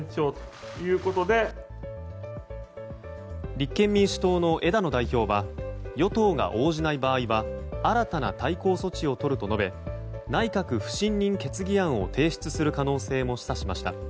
立憲民主党の枝野代表は与党が応じない場合は新たな対抗措置をとると述べ内閣不信任決議案を提出する可能性も示唆しました。